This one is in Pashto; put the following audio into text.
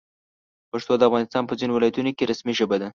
پښتو د افغانستان په ځینو ولایتونو کې رسمي ژبه ده.